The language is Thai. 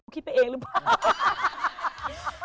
คิดไปเองหรือเปล่า